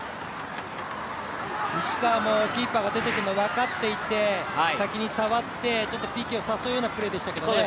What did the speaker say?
西川もキーパーが出てくるの分かっていて先に触ってＰＫ誘うようなプレーでしたけどね。